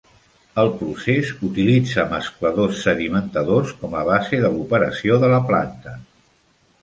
El procés utilitza mescladors sedimentadors com a base de l'operació de la planta.